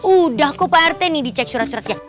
udah kok pak rt nih dicek surat suratnya